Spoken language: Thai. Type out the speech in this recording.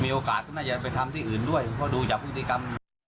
โอกาสก็น่าจะไปทำที่อื่นด้วยเพราะดูจากพฤติกรรม